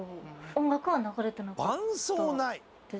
音楽は流れてなかったです。